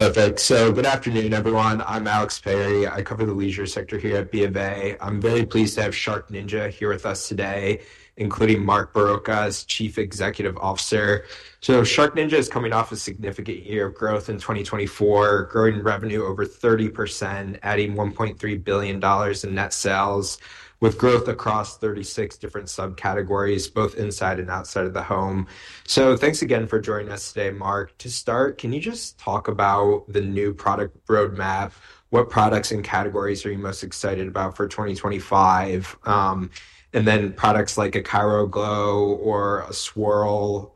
Perfect. Good afternoon, everyone. I'm Alex Perry. I cover the leisure sector here at BofA. I'm very pleased to have SharkNinja here with us today, including Mark Barrocas, Chief Executive Officer. SharkNinja is coming off a significant year of growth in 2024, growing revenue over 30%, adding $1.3 billion in net sales, with growth across 36 different subcategories, both inside and outside of the home. Thanks again for joining us today, Mark. To start, can you just talk about the new product roadmap? What products and categories are you most excited about for 2025? Products like a Cryo Glow or a Swirl,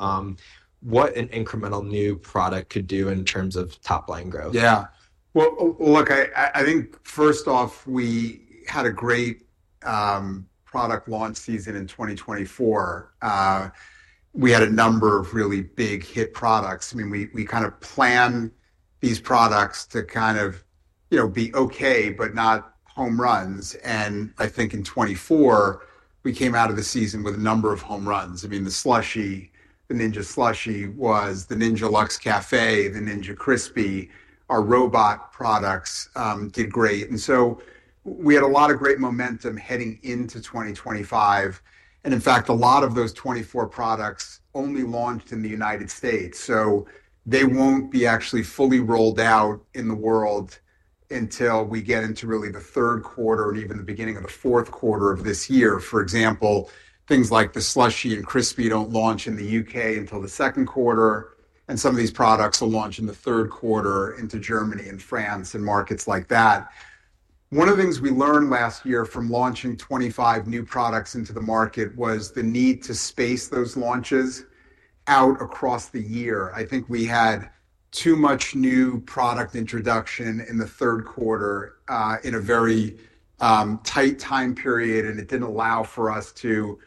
what an incremental new product could do in terms of top-line growth? Yeah. Look, I think first off, we had a great product launch season in 2024. We had a number of really big hit products. I mean, we kind of planned these products to kind of be okay, but not home runs. I think in 2024, we came out of the season with a number of home runs. I mean, the Slushi, the Ninja Slushi, the Ninja Luxe Café, the Ninja Crispi. Our robot products did great. We had a lot of great momentum heading into 2025. In fact, a lot of those 2024 products only launched in the United States. They will not actually be fully rolled out in the world until we get into really the third quarter and even the beginning of the fourth quarter of this year. For example, things like the Slushi and Crispi do not launch in the U.K. until the second quarter. Some of these products will launch in the third quarter into Germany and France and markets like that. One of the things we learned last year from launching 25 new products into the market was the need to space those launches out across the year. I think we had too much new product introduction in the third quarter in a very tight time period, and it did not allow for us to,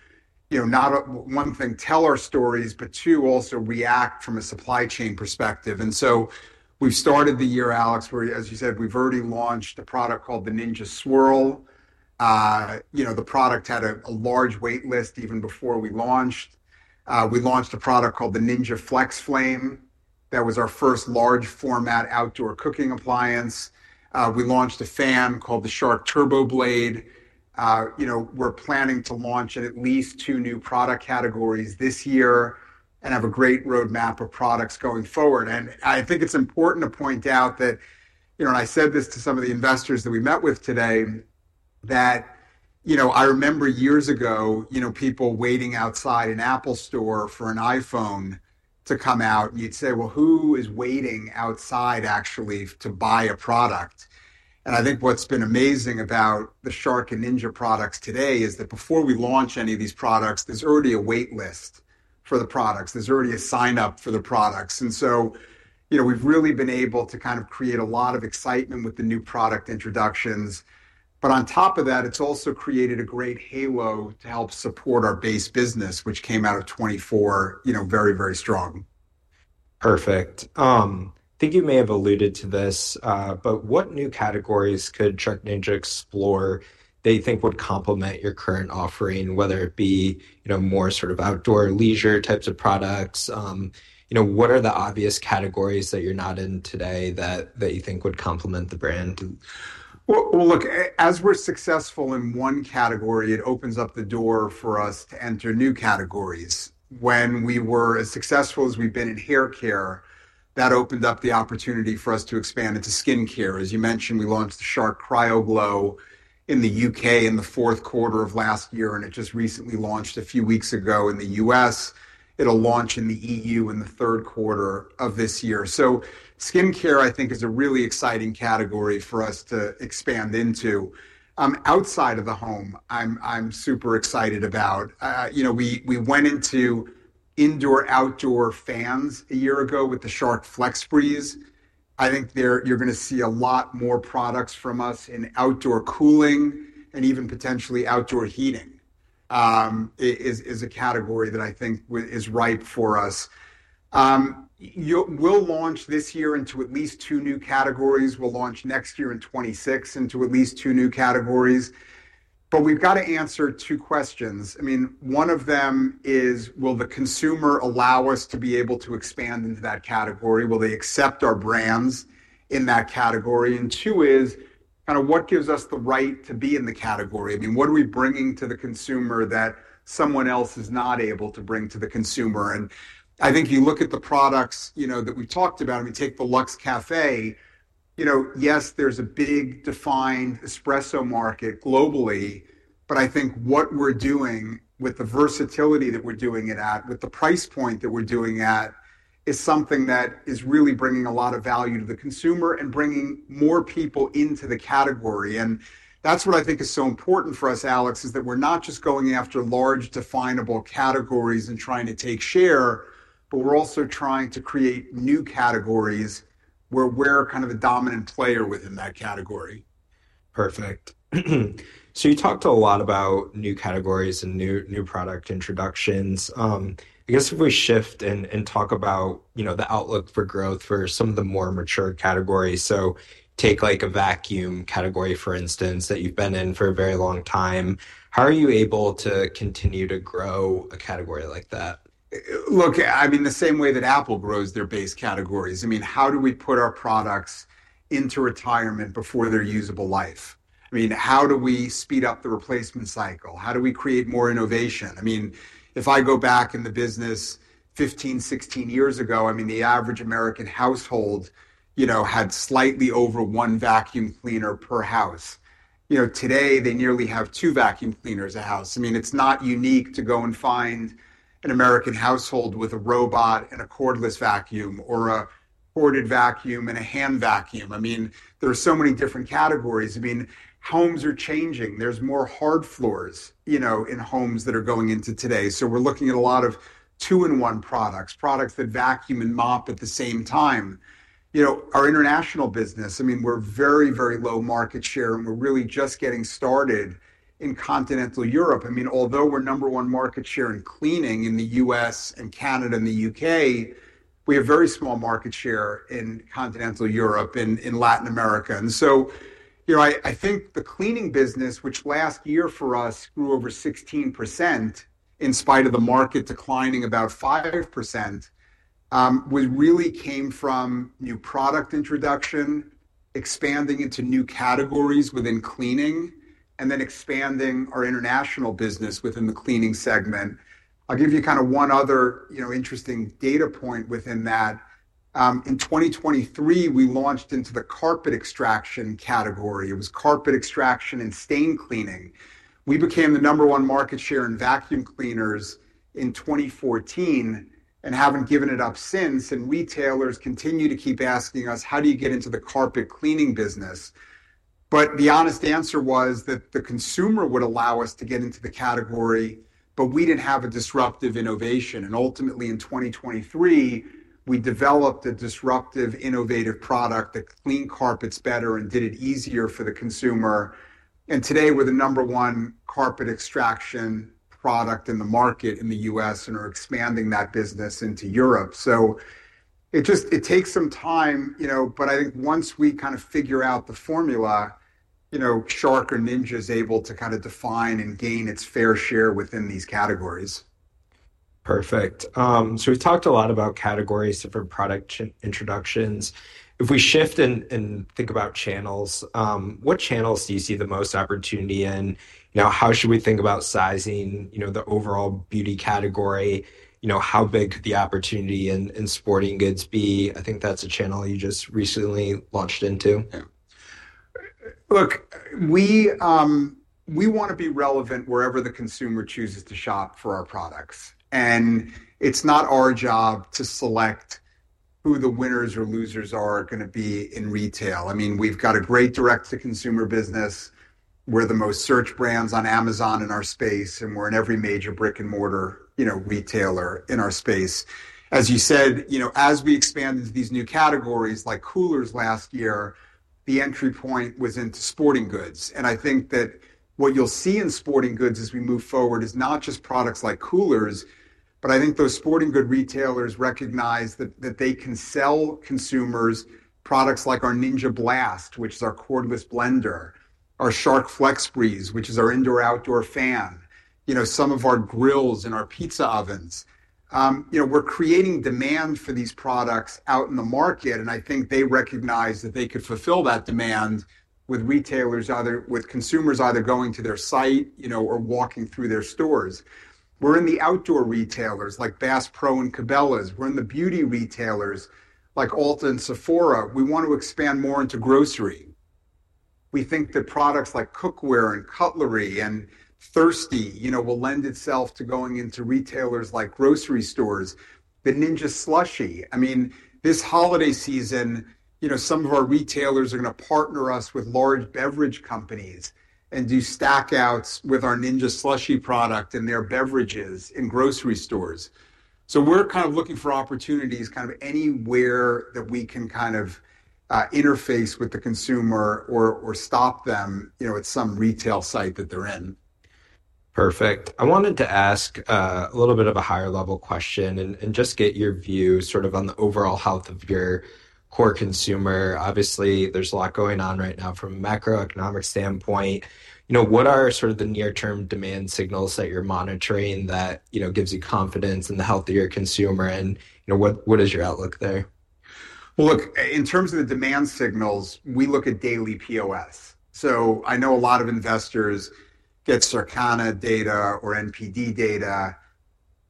one thing, tell our stories, but two, also react from a supply chain perspective. We have started the year, Alex, where, as you said, we have already launched a product called the Ninja Swirl. The product had a large waitlist even before we launched. We launched a product called the Ninja FlexFlame. That was our first large-format outdoor cooking appliance. We launched a fan called the Shark TurboBlade. We're planning to launch at least two new product categories this year and have a great roadmap of products going forward. I think it's important to point out that, and I said this to some of the investors that we met with today, that I remember years ago, people waiting outside an Apple Store for an iPhone to come out, and you'd say, well, who is waiting outside actually to buy a product? I think what's been amazing about the Shark and Ninja products today is that before we launch any of these products, there's already a waitlist for the products. There's already a sign-up for the products. We've really been able to kind of create a lot of excitement with the new product introductions. On top of that, it's also created a great halo to help support our base business, which came out of 2024 very, very strong. Perfect. I think you may have alluded to this, but what new categories could SharkNinja explore that you think would complement your current offering, whether it be more sort of outdoor leisure types of products? What are the obvious categories that you're not in today that you think would complement the brand? As we're successful in one category, it opens up the door for us to enter new categories. When we were as successful as we've been in hair care, that opened up the opportunity for us to expand into skincare. As you mentioned, we launched the Shark Cryo Glow in the U.K. in the fourth quarter of last year, and it just recently launched a few weeks ago in the U.S. It'll launch in the EU in the third quarter of this year. Skincare, I think, is a really exciting category for us to expand into. Outside of the home, I'm super excited about. We went into indoor-outdoor fans a year ago with the Shark FlexBreeze. I think you're going to see a lot more products from us in outdoor cooling and even potentially outdoor heating is a category that I think is ripe for us. We'll launch this year into at least two new categories. We'll launch next year in 2026 into at least two new categories. We've got to answer two questions. I mean, one of them is, will the consumer allow us to be able to expand into that category? Will they accept our brands in that category? Two is kind of what gives us the right to be in the category? I mean, what are we bringing to the consumer that someone else is not able to bring to the consumer? I think you look at the products that we've talked about. I mean, take the Luxe Café. Yes, there's a big defined espresso market globally, but I think what we're doing with the versatility that we're doing it at, with the price point that we're doing at, is something that is really bringing a lot of value to the consumer and bringing more people into the category. That is what I think is so important for us, Alex, is that we're not just going after large definable categories and trying to take share, but we're also trying to create new categories where we're kind of a dominant player within that category. Perfect. You talked a lot about new categories and new product introductions. I guess if we shift and talk about the outlook for growth for some of the more mature categories. Take a vacuum category, for instance, that you've been in for a very long time. How are you able to continue to grow a category like that? Look, I mean, the same way that Apple grows their base categories. I mean, how do we put our products into retirement before their usable life? I mean, how do we speed up the replacement cycle? How do we create more innovation? I mean, if I go back in the business 15, 16 years ago, I mean, the average American household had slightly over one vacuum cleaner per house. Today, they nearly have two vacuum cleaners a house. I mean, it's not unique to go and find an American household with a robot and a cordless vacuum or a corded vacuum and a hand vacuum. I mean, there are so many different categories. I mean, homes are changing. There's more hard floors in homes that are going into today. We are looking at a lot of two-in-one products, products that vacuum and mop at the same time. Our international business, I mean, we're very, very low market share, and we're really just getting started in continental Europe. I mean, although we're number one market share in cleaning in the U.S. and Canada and the U.K., we have very small market share in continental Europe and in Latin America. I think the cleaning business, which last year for us grew over 16% in spite of the market declining about 5%, really came from new product introduction, expanding into new categories within cleaning, and then expanding our international business within the cleaning segment. I'll give you kind of one other interesting data point within that. In 2023, we launched into the carpet extraction category. It was carpet extraction and stain cleaning. We became the number one market share in vacuum cleaners in 2014 and haven't given it up since. Retailers continue to keep asking us, how do you get into the carpet cleaning business? The honest answer was that the consumer would allow us to get into the category, but we did not have a disruptive innovation. Ultimately, in 2023, we developed a disruptive innovative product that cleaned carpets better and did it easier for the consumer. Today, we are the number one carpet extraction product in the market in the U.S. and are expanding that business into Europe. It takes some time, but I think once we kind of figure out the formula, Shark or Ninja is able to kind of define and gain its fair share within these categories. Perfect. We have talked a lot about categories, different product introductions. If we shift and think about channels, what channels do you see the most opportunity in? How should we think about sizing the overall beauty category? How big could the opportunity in sporting goods be? I think that is a channel you just recently launched into. Yeah. Look, we want to be relevant wherever the consumer chooses to shop for our products. It's not our job to select who the winners or losers are going to be in retail. I mean, we've got a great direct-to-consumer business. We're the most searched brands on Amazon in our space, and we're in every major brick-and-mortar retailer in our space. As you said, as we expanded these new categories like coolers last year, the entry point was into sporting goods. I think that what you'll see in sporting goods as we move forward is not just products like coolers, but I think those sporting goods retailers recognize that they can sell consumers products like our Ninja Blast, which is our cordless blender, our Shark FlexFreeze, which is our indoor-outdoor fan, some of our grills and our pizza ovens. We're creating demand for these products out in the market, and I think they recognize that they could fulfill that demand with retailers, with consumers either going to their site or walking through their stores. We're in the outdoor retailers like Bass Pro and Cabela's. We're in the beauty retailers like Ulta and Sephora. We want to expand more into grocery. We think that products like cookware and cutlery and Thirsti will lend itself to going into retailers like grocery stores. The Ninja Slushi. I mean, this holiday season, some of our retailers are going to partner us with large beverage companies and do stackouts with our Ninja Slushi product and their beverages in grocery stores. We're kind of looking for opportunities kind of anywhere that we can kind of interface with the consumer or stop them at some retail site that they're in. Perfect. I wanted to ask a little bit of a higher-level question and just get your view sort of on the overall health of your core consumer. Obviously, there's a lot going on right now from a macroeconomic standpoint. What are sort of the near-term demand signals that you're monitoring that gives you confidence in the health of your consumer? What is your outlook there? Look, in terms of the demand signals, we look at daily POS. I know a lot of investors get Circana data or NPD data.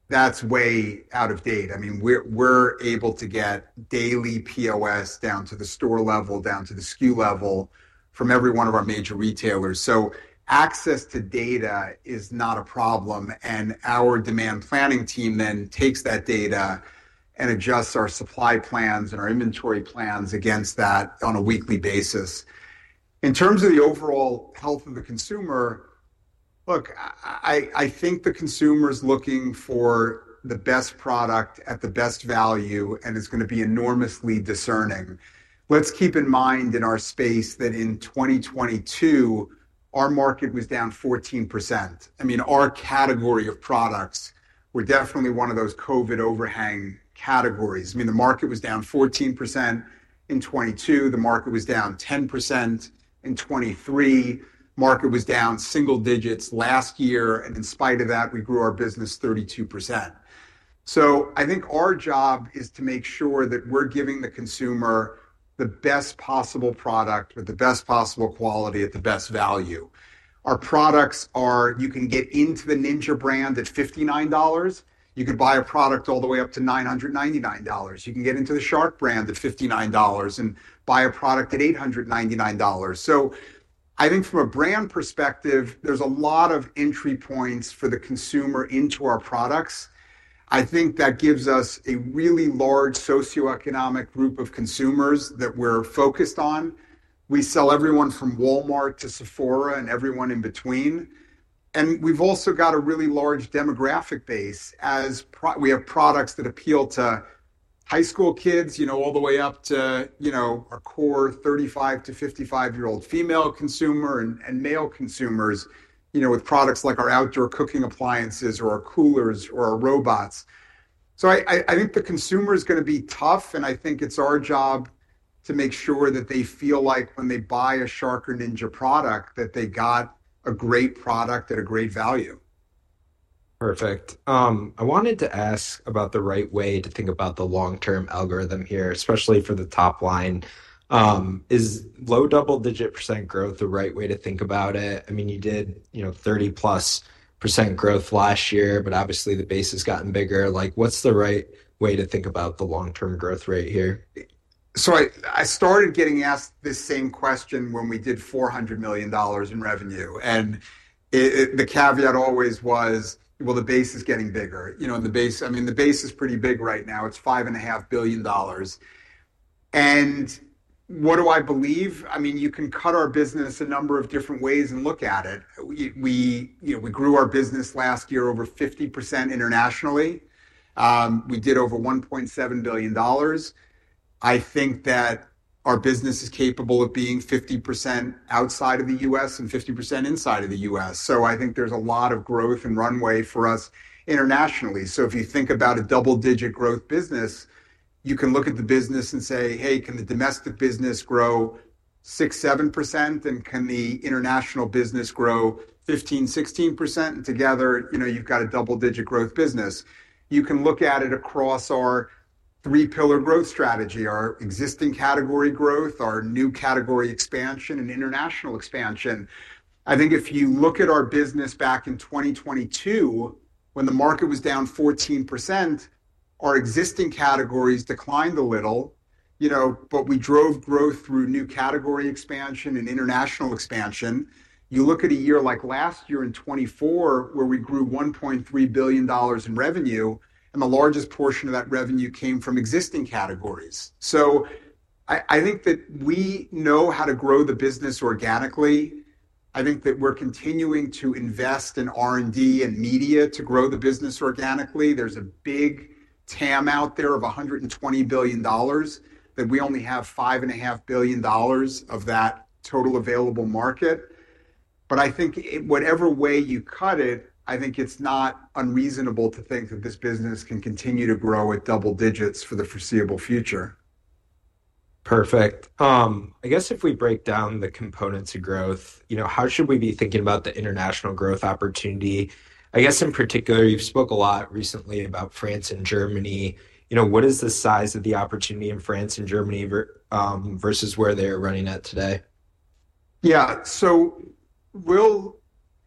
That is way out of date. I mean, we are able to get daily POS down to the store level, down to the SKU level from every one of our major retailers. Access to data is not a problem. Our demand planning team then takes that data and adjusts our supply plans and our inventory plans against that on a weekly basis. In terms of the overall health of the consumer, look, I think the consumer is looking for the best product at the best value, and it is going to be enormously discerning. Let's keep in mind in our space that in 2022, our market was down 14%. I mean, our category of products were definitely one of those COVID overhang categories. I mean, the market was down 14% in 2022. The market was down 10% in 2023. Market was down single digits last year. In spite of that, we grew our business 32%. I think our job is to make sure that we're giving the consumer the best possible product with the best possible quality at the best value. Our products are, you can get into the Ninja brand at $59. You can buy a product all the way up to $999. You can get into the Shark brand at $59 and buy a product at $899. I think from a brand perspective, there's a lot of entry points for the consumer into our products. I think that gives us a really large socioeconomic group of consumers that we're focused on. We sell everyone from Walmart to Sephora and everyone in between. We have also got a really large demographic base as we have products that appeal to high school kids all the way up to our core 35-55 year-old female consumer and male consumers with products like our outdoor cooking appliances or our coolers or our robots. I think the consumer is going to be tough, and I think it is our job to make sure that they feel like when they buy a Shark or Ninja product that they got a great product at a great value. Perfect. I wanted to ask about the right way to think about the long-term algorithm here, especially for the top line. Is low double-digit % growth the right way to think about it? I mean, you did 30+% growth last year, but obviously the base has gotten bigger. What's the right way to think about the long-term growth rate here? I started getting asked this same question when we did $400 million in revenue. The caveat always was, well, the base is getting bigger. I mean, the base is pretty big right now. It is $5.5 billion. What do I believe? I mean, you can cut our business a number of different ways and look at it. We grew our business last year over 50% internationally. We did over $1.7 billion. I think that our business is capable of being 50% outside of the U.S. and 50% inside of the U.S. I think there is a lot of growth and runway for us internationally. If you think about a double-digit growth business, you can look at the business and say, hey, can the domestic business grow 6-7%, and can the international business grow 15-16%? Together, you have got a double-digit growth business. You can look at it across our three-pillar growth strategy, our existing category growth, our new category expansion, and international expansion. I think if you look at our business back in 2022, when the market was down 14%, our existing categories declined a little, but we drove growth through new category expansion and international expansion. You look at a year like last year in 2024, where we grew $1.3 billion in revenue, and the largest portion of that revenue came from existing categories. I think that we know how to grow the business organically. I think that we're continuing to invest in R&D and media to grow the business organically. There's a big TAM out there of $120 billion that we only have $5.5 billion of that total available market. I think whatever way you cut it, I think it's not unreasonable to think that this business can continue to grow at double digits for the foreseeable future. Perfect. I guess if we break down the components of growth, how should we be thinking about the international growth opportunity? I guess in particular, you've spoke a lot recently about France and Germany. What is the size of the opportunity in France and Germany versus where they are running at today? Yeah. We'll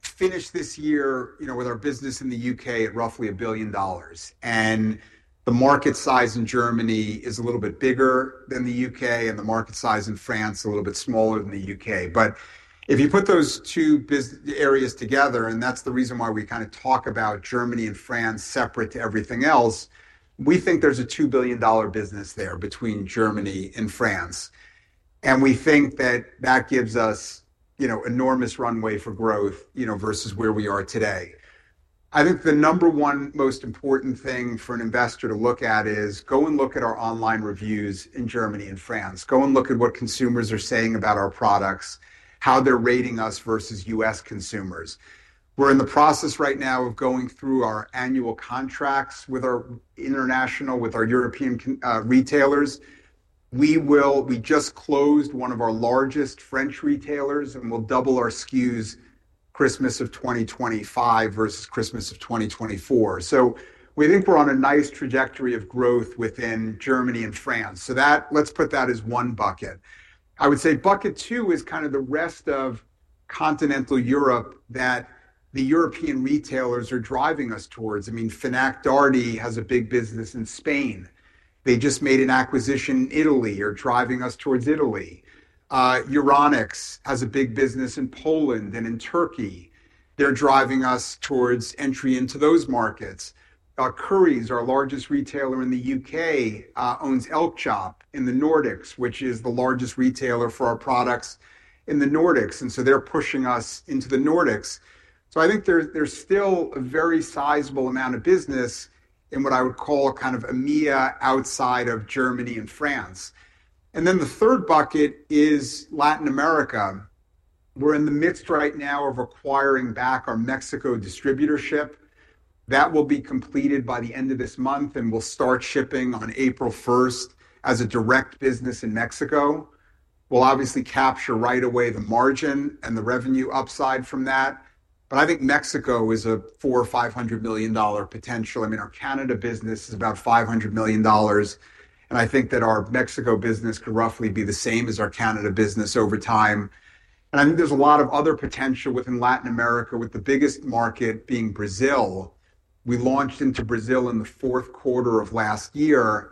finish this year with our business in the U.K. at roughly $1 billion. The market size in Germany is a little bit bigger than the U.K., and the market size in France is a little bit smaller than the U.K. If you put those two areas together, and that's the reason why we kind of talk about Germany and France separate to everything else, we think there's a $2 billion business there between Germany and France. We think that that gives us enormous runway for growth versus where we are today. I think the number one most important thing for an investor to look at is go and look at our online reviews in Germany and France. Go and look at what consumers are saying about our products, how they're rating us versus U.S. consumers. We're in the process right now of going through our annual contracts with our international, with our European retailers. We just closed one of our largest French retailers, and we'll double our SKUs Christmas of 2025 versus Christmas of 2024. We think we're on a nice trajectory of growth within Germany and France. Let's put that as one bucket. I would say bucket two is kind of the rest of continental Europe that the European retailers are driving us towards. I mean, Fnac Darty has a big business in Spain. They just made an acquisition in Italy or are driving us towards Italy. Euronics has a big business in Poland and in Turkey. They're driving us towards entry into those markets. Currys, our largest retailer in the UK, owns Elkjøp in the Nordics, which is the largest retailer for our products in the Nordics. They're pushing us into the Nordics. I think there's still a very sizable amount of business in what I would call kind of EMEA outside of Germany and France. The third bucket is Latin America. We're in the midst right now of acquiring back our Mexico distributorship. That will be completed by the end of this month, and we'll start shipping on April 1st as a direct business in Mexico. We'll obviously capture right away the margin and the revenue upside from that. I think Mexico is a $400 million-$500 million potential. I mean, our Canada business is about $500 million. I think that our Mexico business could roughly be the same as our Canada business over time. I think there's a lot of other potential within Latin America, with the biggest market being Brazil. We launched into Brazil in the fourth quarter of last year,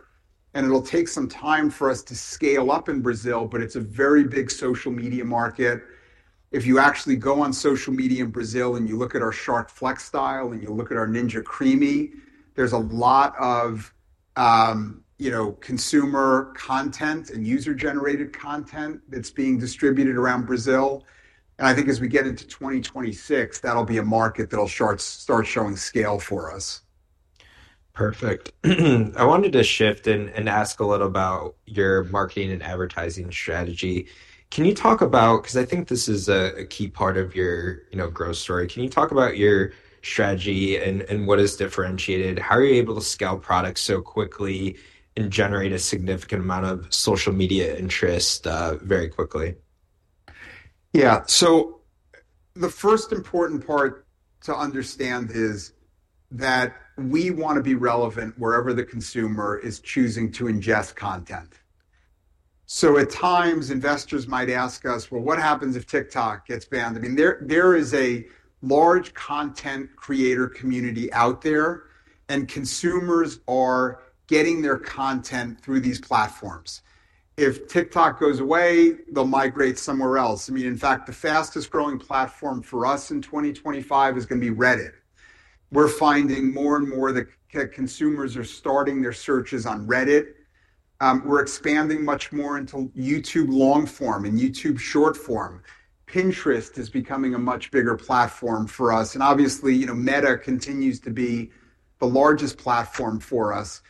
and it'll take some time for us to scale up in Brazil, but it's a very big social media market. If you actually go on social media in Brazil and you look at our Shark FlexStyle and you look at our Ninja Creami, there's a lot of consumer content and user-generated content that's being distributed around Brazil. I think as we get into 2026, that'll be a market that'll start showing scale for us. Perfect. I wanted to shift and ask a little about your marketing and advertising strategy. Can you talk about, because I think this is a key part of your growth story, can you talk about your strategy and what is differentiated? How are you able to scale products so quickly and generate a significant amount of social media interest very quickly? Yeah. The first important part to understand is that we want to be relevant wherever the consumer is choosing to ingest content. At times, investors might ask us, well, what happens if TikTok gets banned? I mean, there is a large content creator community out there, and consumers are getting their content through these platforms. If TikTok goes away, they'll migrate somewhere else. I mean, in fact, the fastest growing platform for us in 2025 is going to be Reddit. We're finding more and more that consumers are starting their searches on Reddit. We're expanding much more into YouTube long-form and YouTube short-form. Pinterest is becoming a much bigger platform for us. Obviously, Meta continues to be the largest platform for us.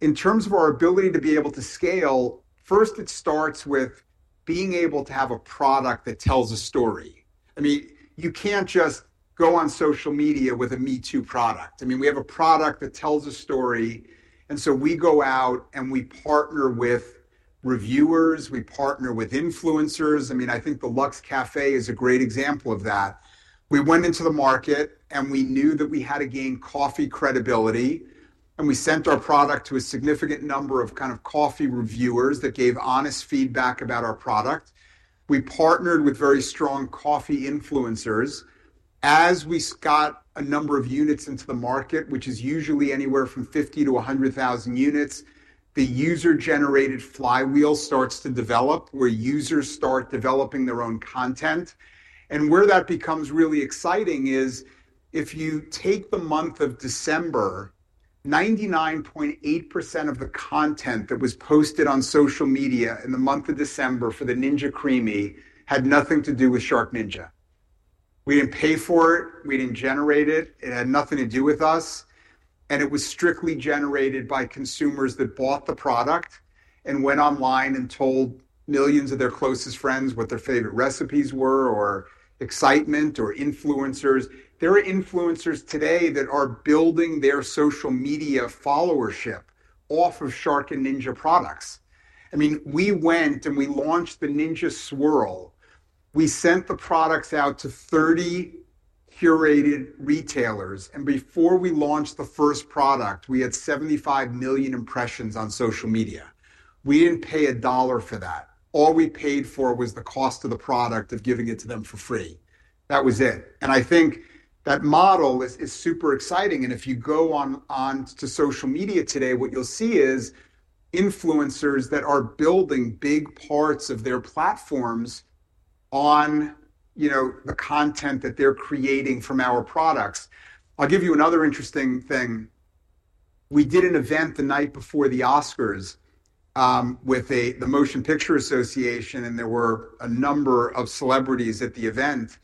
In terms of our ability to be able to scale, first, it starts with being able to have a product that tells a story. I mean, you can't just go on social media with a MeToo product. I mean, we have a product that tells a story. We go out and we partner with reviewers. We partner with influencers. I mean, I think the Luxe Café is a great example of that. We went into the market, and we knew that we had to gain coffee credibility. We sent our product to a significant number of kind of coffee reviewers that gave honest feedback about our product. We partnered with very strong coffee influencers. As we got a number of units into the market, which is usually anywhere from 50,000-100,000 units, the user-generated flywheel starts to develop where users start developing their own content. Where that becomes really exciting is if you take the month of December, 99.8% of the content that was posted on social media in the month of December for the Ninja Creami had nothing to do with SharkNinja. We did not pay for it. We did not generate it. It had nothing to do with us. It was strictly generated by consumers that bought the product and went online and told millions of their closest friends what their favorite recipes were or excitement or influencers. There are influencers today that are building their social media followership off of Shark and Ninja products. I mean, we went and we launched the Ninja Swirl. We sent the products out to 30 curated retailers. Before we launched the first product, we had 75 million impressions on social media. We did not pay a dollar for that. All we paid for was the cost of the product of giving it to them for free. That was it. I think that model is super exciting. If you go on to social media today, what you'll see is influencers that are building big parts of their platforms on the content that they're creating from our products. I'll give you another interesting thing. We did an event the night before the Oscars with the Motion Picture Association, and there were a number of celebrities at the event.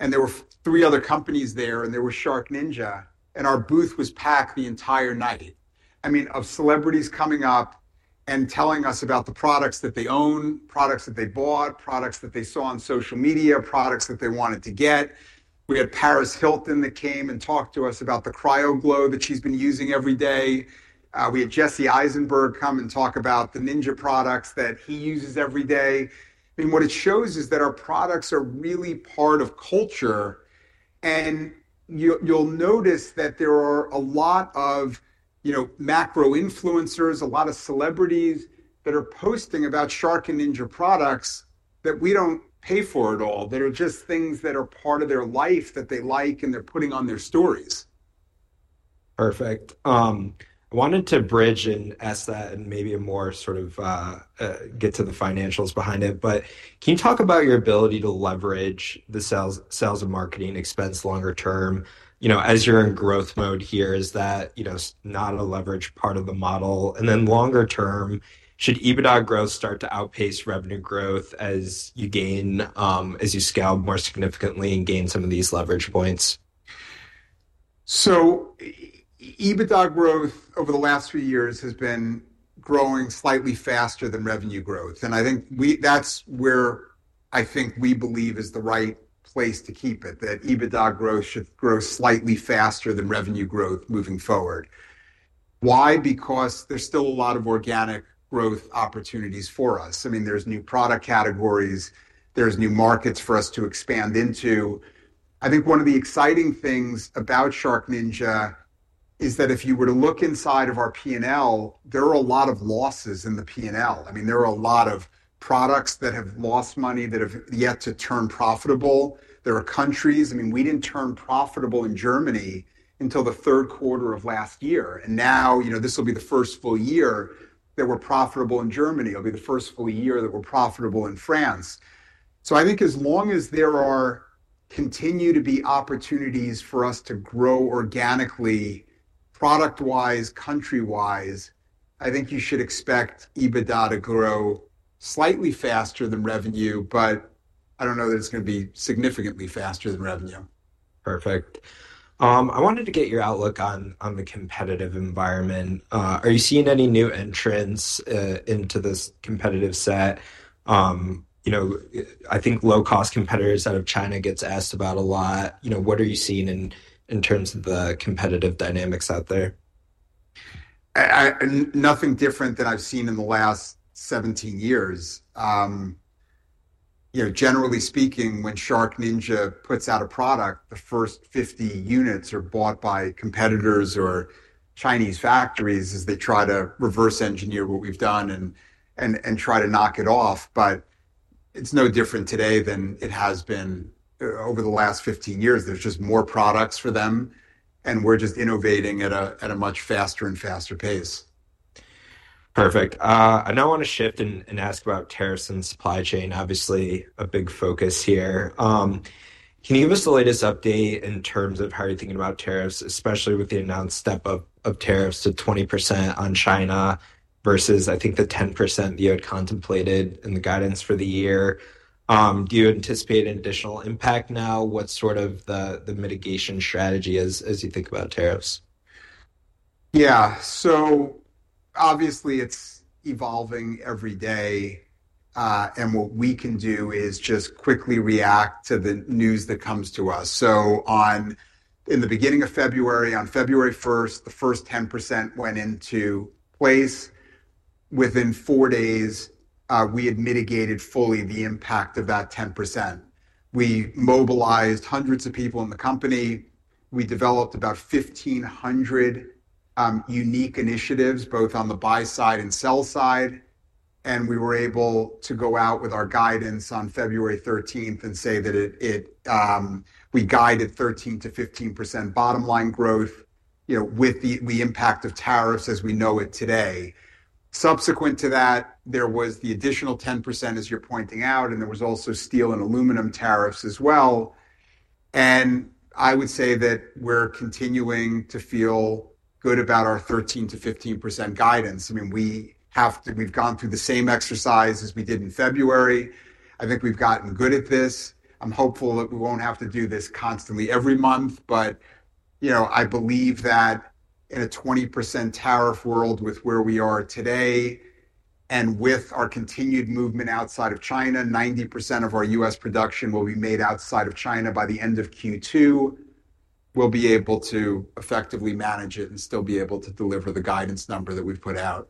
There were three other companies there, and there was SharkNinja. Our booth was packed the entire night. I mean, of celebrities coming up and telling us about the products that they own, products that they bought, products that they saw on social media, products that they wanted to get. We had Paris Hilton that came and talked to us about the Cryo Glow that she's been using every day. We had Jesse Eisenberg come and talk about the Ninja products that he uses every day. I mean, what it shows is that our products are really part of culture. You'll notice that there are a lot of macro influencers, a lot of celebrities that are posting about Shark and Ninja products that we don't pay for at all. They're just things that are part of their life that they like, and they're putting on their stories. Perfect. I wanted to bridge and ask that and maybe more sort of get to the financials behind it. Can you talk about your ability to leverage the sales of marketing expense longer term? As you're in growth mode here, is that not a leverage part of the model? Longer term, should EBITDA growth start to outpace revenue growth as you scale more significantly and gain some of these leverage points? EBITDA growth over the last few years has been growing slightly faster than revenue growth. I think that's where I think we believe is the right place to keep it, that EBITDA growth should grow slightly faster than revenue growth moving forward. Why? Because there's still a lot of organic growth opportunities for us. I mean, there's new product categories. There's new markets for us to expand into. I think one of the exciting things about SharkNinja is that if you were to look inside of our P&L, there are a lot of losses in the P&L. I mean, there are a lot of products that have lost money that have yet to turn profitable. There are countries. I mean, we didn't turn profitable in Germany until the third quarter of last year. Now this will be the first full year that we're profitable in Germany. It'll be the first full year that we're profitable in France. I think as long as there continue to be opportunities for us to grow organically, product-wise, country-wise, I think you should expect EBITDA to grow slightly faster than revenue, but I don't know that it's going to be significantly faster than revenue. Perfect. I wanted to get your outlook on the competitive environment. Are you seeing any new entrants into this competitive set? I think low-cost competitors out of China get asked about a lot. What are you seeing in terms of the competitive dynamics out there? Nothing different than I've seen in the last 17 years. Generally speaking, when SharkNinja puts out a product, the first 50 units are bought by competitors or Chinese factories as they try to reverse engineer what we've done and try to knock it off. It is no different today than it has been over the last 15 years. There are just more products for them, and we're just innovating at a much faster and faster pace. Perfect. I now want to shift and ask about tariffs and supply chain. Obviously, a big focus here. Can you give us the latest update in terms of how you're thinking about tariffs, especially with the announced step up of tariffs to 20% on China versus, I think, the 10% you had contemplated in the guidance for the year? Do you anticipate an additional impact now? What's sort of the mitigation strategy as you think about tariffs? Yeah. Obviously, it's evolving every day. What we can do is just quickly react to the news that comes to us. In the beginning of February, on February 1, the first 10% went into place. Within four days, we had mitigated fully the impact of that 10%. We mobilized hundreds of people in the company. We developed about 1,500 unique initiatives, both on the buy side and sell side. We were able to go out with our guidance on February 13 and say that we guided 13%-15% bottom line growth with the impact of tariffs as we know it today. Subsequent to that, there was the additional 10%, as you're pointing out, and there were also steel and aluminum tariffs as well. I would say that we're continuing to feel good about our 13%-15% guidance. I mean, we've gone through the same exercise as we did in February. I think we've gotten good at this. I'm hopeful that we won't have to do this constantly every month. I believe that in a 20% tariff world with where we are today and with our continued movement outside of China, 90% of our U.S. production will be made outside of China by the end of Q2. We'll be able to effectively manage it and still be able to deliver the guidance number that we've put out.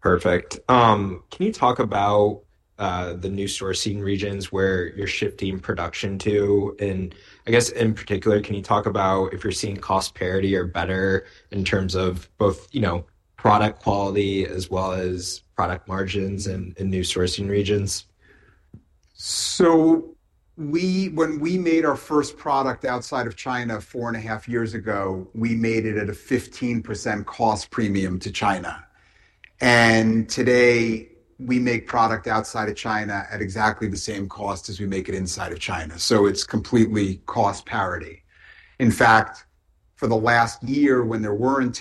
Perfect. Can you talk about the new sourcing regions where you're shifting production to? I guess, in particular, can you talk about if you're seeing cost parity or better in terms of both product quality as well as product margins in new sourcing regions? When we made our first product outside of China four and a half years ago, we made it at a 15% cost premium to China. Today, we make product outside of China at exactly the same cost as we make it inside of China. It is completely cost parity. In fact, for the last year when there were not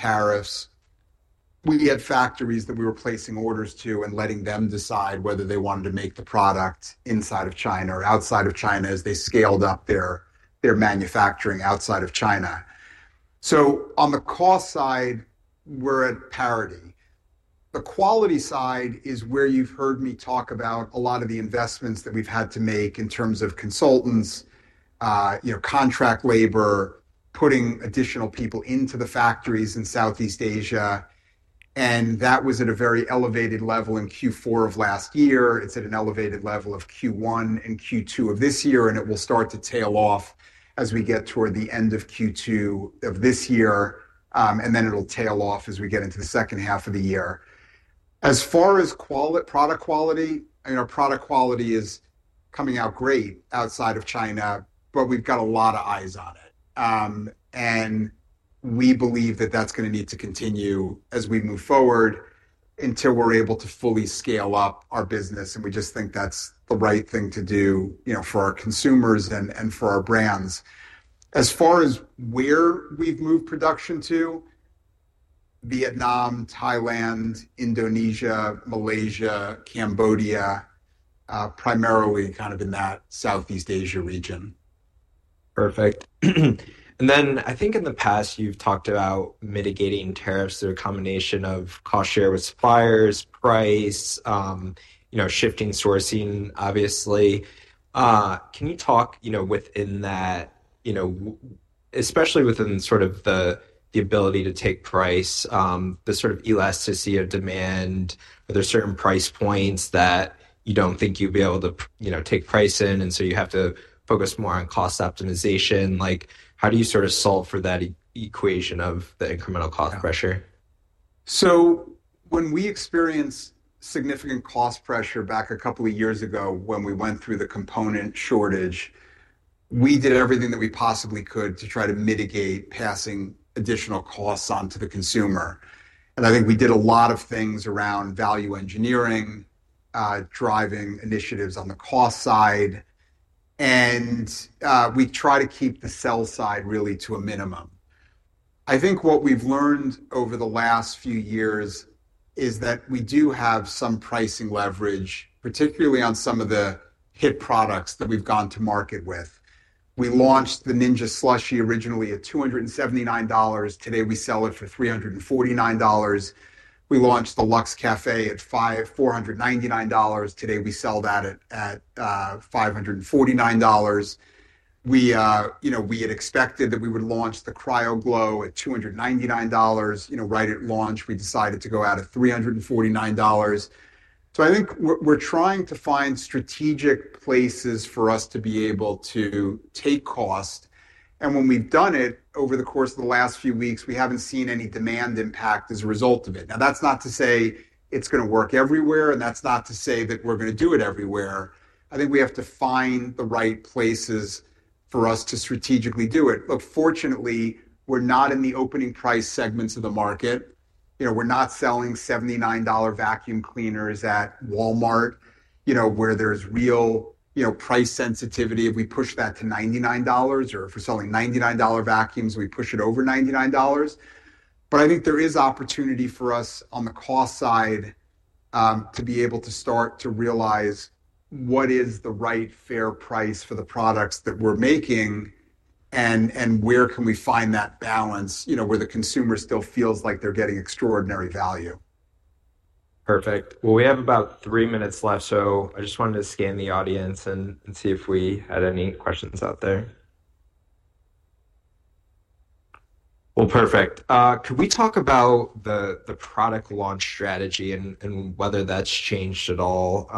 tariffs, we had factories that we were placing orders to and letting them decide whether they wanted to make the product inside of China or outside of China as they scaled up their manufacturing outside of China. On the cost side, we are at parity. The quality side is where you have heard me talk about a lot of the investments that we have had to make in terms of consultants, contract labor, putting additional people into the factories in Southeast Asia. That was at a very elevated level in Q4 of last year. It is at an elevated level in Q1 and Q2 of this year. It will start to tail off as we get toward the end of Q2 of this year. It will tail off as we get into the second half of the year. As far as product quality, our product quality is coming out great outside of China, but we have a lot of eyes on it. We believe that is going to need to continue as we move forward until we are able to fully scale up our business. We just think that is the right thing to do for our consumers and for our brands. As far as where we have moved production to, Vietnam, Thailand, Indonesia, Malaysia, Cambodia, primarily kind of in that Southeast Asia region. Perfect. I think in the past, you've talked about mitigating tariffs through a combination of cost share with suppliers, price, shifting sourcing, obviously. Can you talk within that, especially within sort of the ability to take price, the sort of elasticity of demand? Are there certain price points that you don't think you'd be able to take price in? You have to focus more on cost optimization. How do you sort of solve for that equation of the incremental cost pressure? When we experienced significant cost pressure back a couple of years ago when we went through the component shortage, we did everything that we possibly could to try to mitigate passing additional costs onto the consumer. I think we did a lot of things around value engineering, driving initiatives on the cost side. We try to keep the sell side really to a minimum. I think what we've learned over the last few years is that we do have some pricing leverage, particularly on some of the hit products that we've gone to market with. We launched the Ninja Slushi originally at $279. Today, we sell it for $349. We launched the Luxe Café at $499. Today, we sell that at $549. We had expected that we would launch the Cryo Glow at $299. Right at launch, we decided to go out at $349. I think we're trying to find strategic places for us to be able to take cost. When we've done it over the course of the last few weeks, we haven't seen any demand impact as a result of it. Now, that's not to say it's going to work everywhere, and that's not to say that we're going to do it everywhere. I think we have to find the right places for us to strategically do it. Look, fortunately, we're not in the opening price segments of the market. We're not selling $79 vacuum cleaners at Walmart where there's real price sensitivity. If we push that to $99, or if we're selling $99 vacuums, we push it over $99. I think there is opportunity for us on the cost side to be able to start to realize what is the right fair price for the products that we're making and where can we find that balance where the consumer still feels like they're getting extraordinary value. Perfect. We have about three minutes left, so I just wanted to scan the audience and see if we had any questions out there. Perfect. Could we talk about the product launch strategy and whether that's changed at all?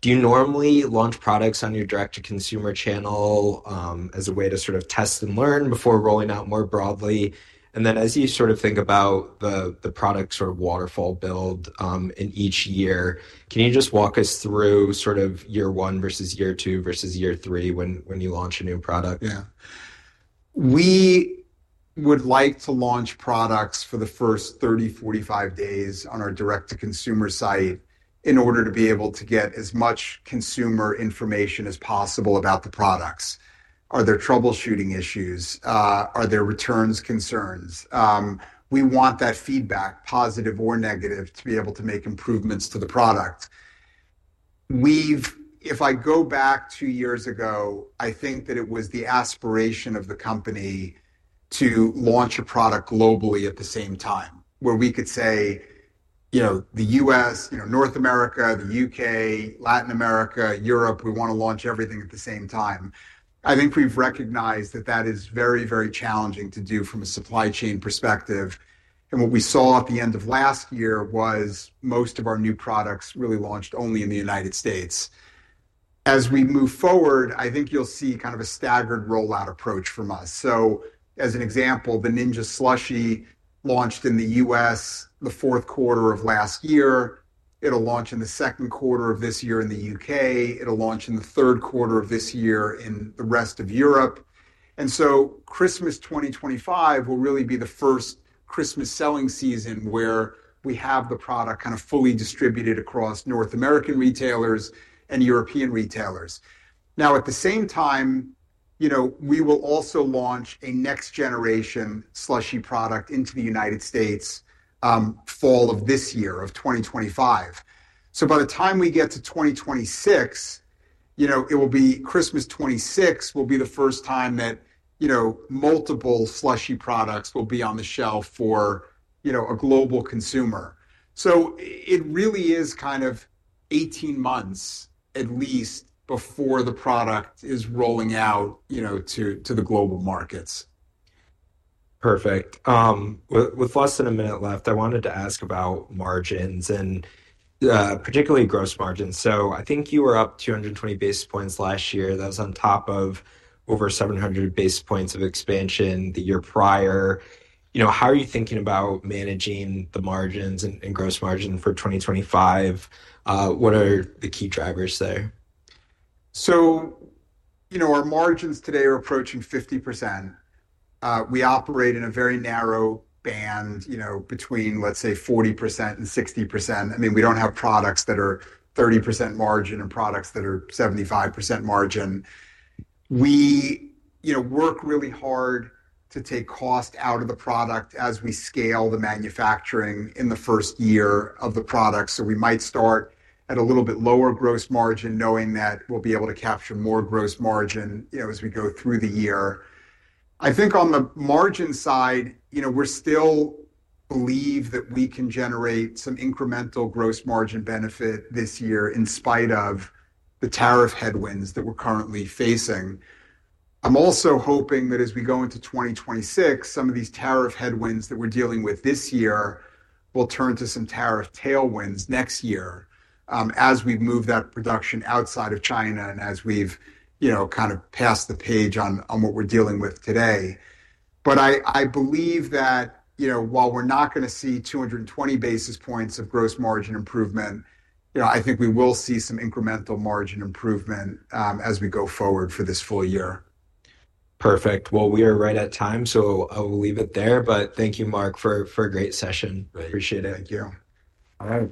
Do you normally launch products on your direct-to-consumer channel as a way to sort of test and learn before rolling out more broadly? As you sort of think about the product sort of waterfall build in each year, can you just walk us through sort of year one versus year two versus year three when you launch a new product? Yeah. We would like to launch products for the first 30-45 days on our direct-to-consumer site in order to be able to get as much consumer information as possible about the products. Are there troubleshooting issues? Are there returns concerns? We want that feedback, positive or negative, to be able to make improvements to the product. If I go back two years ago, I think that it was the aspiration of the company to launch a product globally at the same time where we could say the U.S., North America, the U.K., Latin America, Europe, we want to launch everything at the same time. I think we've recognized that that is very, very challenging to do from a supply chain perspective. What we saw at the end of last year was most of our new products really launched only in the United States. As we move forward, I think you'll see kind of a staggered rollout approach from us. For example, the Ninja Slushi launched in the U.S. in the fourth quarter of last year. It'll launch in the second quarter of this year in the U.K. It'll launch in the third quarter of this year in the rest of Europe. Christmas 2025 will really be the first Christmas selling season where we have the product kind of fully distributed across North American retailers and European retailers. At the same time, we will also launch a next-generation slushie product into the United States fall of this year of 2025. By the time we get to 2026, it will be Christmas 2026 will be the first time that multiple slushie products will be on the shelf for a global consumer. It really is kind of 18 months at least before the product is rolling out to the global markets. Perfect. With less than a minute left, I wanted to ask about margins, and particularly gross margins. I think you were up 220 basis points last year. That was on top of over 700 basis points of expansion the year prior. How are you thinking about managing the margins and gross margin for 2025? What are the key drivers there? Our margins today are approaching 50%. We operate in a very narrow band between, let's say, 40% and 60%. I mean, we don't have products that are 30% margin and products that are 75% margin. We work really hard to take cost out of the product as we scale the manufacturing in the first year of the product. We might start at a little bit lower gross margin knowing that we'll be able to capture more gross margin as we go through the year. I think on the margin side, we still believe that we can generate some incremental gross margin benefit this year in spite of the tariff headwinds that we're currently facing. I'm also hoping that as we go into 2026, some of these tariff headwinds that we're dealing with this year will turn to some tariff tailwinds next year as we move that production outside of China and as we've kind of passed the page on what we're dealing with today. I believe that while we're not going to see 220 basis points of gross margin improvement, I think we will see some incremental margin improvement as we go forward for this full year. Perfect. We are right at time, so I will leave it there. Thank you, Mark, for a great session. Appreciate it. Thank you. All right.